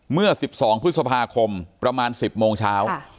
เมื่อ๑๒พฤษภาคมประมาณ๑๐โมงเช้า